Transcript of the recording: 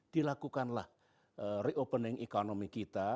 dilakukanlah reopening ekonomi kita